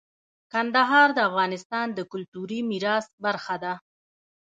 کندهار د افغانستان د کلتوري میراث برخه ده.